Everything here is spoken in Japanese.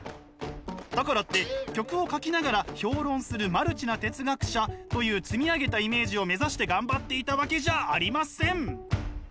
だからって曲を書きながら評論するマルチな哲学者という積み上げたイメージを目指して頑張っていたわけじゃありません！